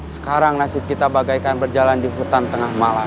sekarang nasib kita bagaikan berjalan di hutan tengah malam